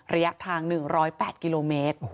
ระยะทาง๑๐๘กิโลเมตร